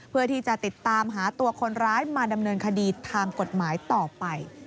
เพื่อที่จะติดตามหาตัวคนร้ายมาดำเนินคดีทางกฎหมายต่อไป